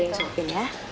sini bajain supin ya